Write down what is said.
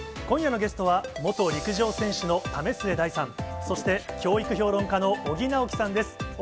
今夜のゲストは、元陸上選手の為末大さん、そして教育評論家の尾木直樹さんです。